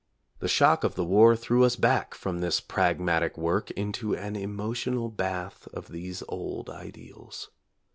The shock of the war threw us back from this pragmatic work into an emotional bath of these old ideals.